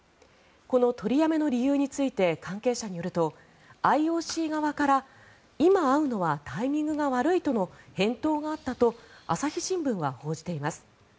この取りやめの理由について関係者によるとＩＯＣ側から今会うのはタイミングが悪いとの返答があったと朝日新聞が報じています。